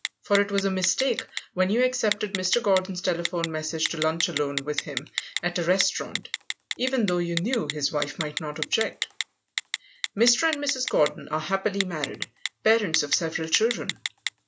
For it was a mistake when you accepted Mr. Gordon's telephone message to lunch alone with him at a restaurant, even though you knew his wife might not object. Mr. and Mrs. Gordon are happily married, parents of several children.